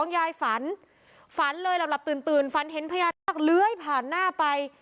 ยายฝันฝันเลยหลับตื่นฝันเห็นพญานาคเลื้อยผ่านหน้าไป